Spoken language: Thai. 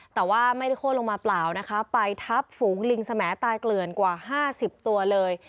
แต่ว่าไม่ได้โค้นลงมาเปล่านะคะไปทับฝูงลิงสมตายเกลื่อนกว่า๕๐ตัวเลย